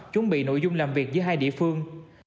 chuẩn bị nội dung làm việc giữa hai địa phương